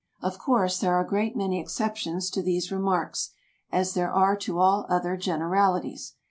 Of course, there are a great many exceptions to these re marks, as there are to all other generalities.